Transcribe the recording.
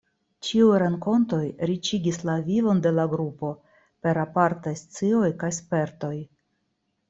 Ĉiuj renkontoj riĉigis la vivon de la Grupo per apartaj scioj kaj spertoj.